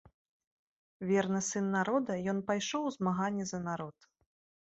Верны сын народа, ён пайшоў у змаганне за народ.